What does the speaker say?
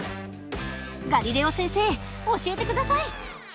ガリレオ先生教えて下さい！